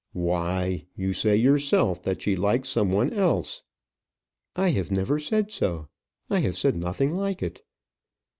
"Why, you say yourself that she likes some one else." "I have never said so. I have said nothing like it.